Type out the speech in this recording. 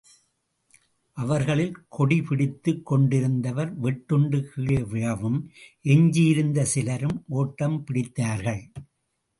அவர்களில் கொடி பிடித்துக் கொண்டிருந்தவர் வெட்டுண்டு கீழே விழவும், எஞ்சியிருந்த சிலரும் ஓட்டம் பிடித்தார்கள்.